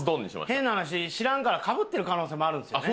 変な話知らんからかぶってる可能性もあるんすよね。